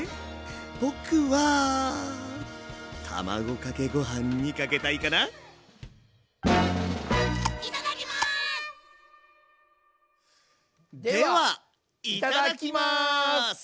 僕は卵かけご飯にかけたいかなではいただきます。